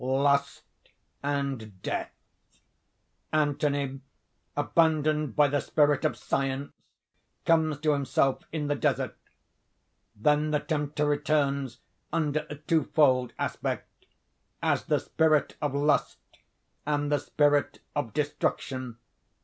LUST AND DEATH Anthony abandoned by the spirit of Science comes to himself in the desert. Then the Tempter returns under a two fold aspect: as the Spirit of Lust and the Spirit of Destruction.